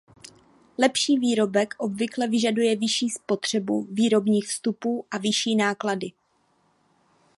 Lepší výrobek obvykle vyžaduje vyšší spotřebu výrobních vstupů a vyšší náklady.